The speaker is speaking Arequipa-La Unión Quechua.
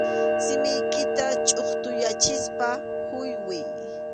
Simiykita chʼutuyachispa huywiy.